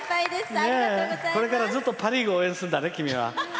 これからずっとパ・リーグを応援するんだね、君は。